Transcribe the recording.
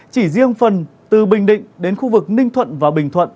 chỉ riêng phần từ bình định đến khu vực ninh thuận và bình thuận